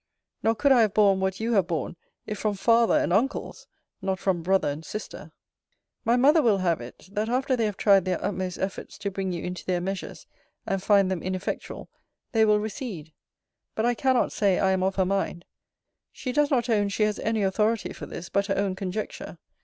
Nor could I have borne what you have borne, if from father and uncles, not from brother and sister. My mother will have it, that after they have tried their utmost efforts to bring you into their measures, and find them ineffectual, they will recede. But I cannot say I am of her mind. She does not own, she has any authority for this, but her own conjecture.